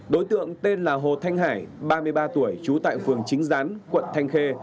đối tượng tên là hồ thanh hải ba mươi ba tuổi trú tại phường chính gián quận thanh khê